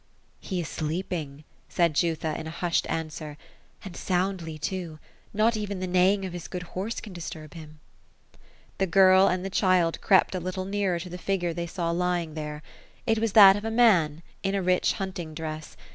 " He is sleeping 1" said Jutha, in hushed answer ;'^ and soundly, too ; not even the neighing of his good horse can disturb him." The girl and the child crept a little nearer to the figure they saw lying there. It was that of a man, in a rich hunting dress.